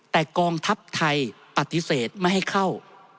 แต่กองทัพไทยปฏิเสธไม่ให้เข้า